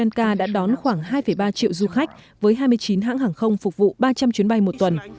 năm hai nghìn một mươi tám sri lanka đã đón khoảng hai ba triệu du khách với hai mươi chín hãng hàng không phục vụ ba trăm linh chuyến bay một tuần